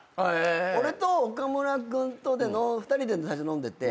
俺と岡村君とで２人で最初飲んでて。